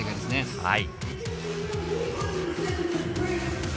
はい。